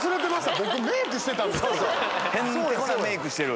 僕メイクしてた。